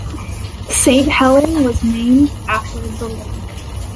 Saint Helen was named after the lake.